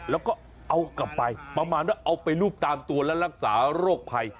แล้วก็เอากลับไปประมาณว่าเอาไปรูปตามตัวและรักษาโรคภัย